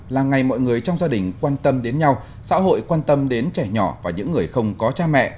là ngày mọi người trong gia đình quan tâm đến nhau xã hội quan tâm đến trẻ nhỏ và những người không có cha mẹ